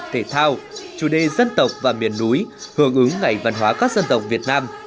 thể thao chủ đề dân tộc và miền núi hưởng ứng ngày văn hóa các dân tộc việt nam